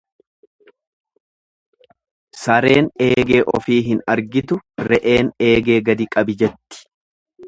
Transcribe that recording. "Sareen eegee ofii hin argitu, re'een ""eegee gadi qabi"" jetti."